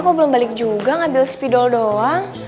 aku belum balik juga ngambil spidol doang